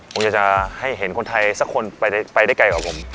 ผมอยากจะให้เห็นคนไทยสักคนไปได้ไกลกว่าผม